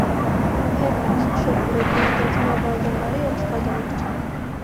ჰერმანის მშობლები და ძმა ვალდემარი ომს გადაურჩნენ.